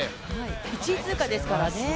１位通過ですからね。